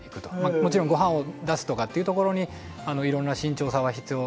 もちろんご飯を出すとかっていうところにいろんな慎重さは必要ではありますけど。